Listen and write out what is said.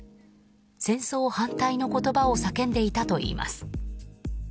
戦争反対の言葉を叫んでいたといいます。